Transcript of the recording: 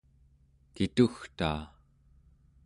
kitugtaa